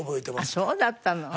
そうだったの。